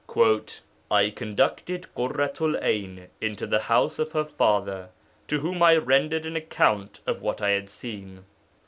'I conducted Ḳurratu'l 'Ayn into the house of her father, to whom I rendered an account of what I had seen.